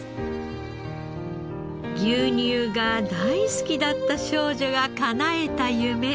牛乳が大好きだった少女がかなえた夢。